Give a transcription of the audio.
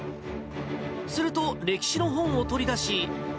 すると、歴史の本を取り出し。